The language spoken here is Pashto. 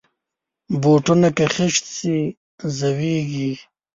بوټونه که خیشت شي، زویږي.